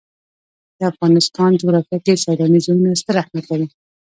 د افغانستان جغرافیه کې سیلاني ځایونه ستر اهمیت لري.